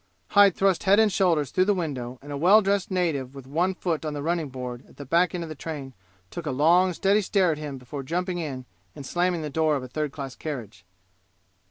Hyde thrust head and shoulders through the window, and a well dressed native with one foot on the running board at the back end of the train took a long steady stare at him before jumping in and slamming the door of a third class carriage.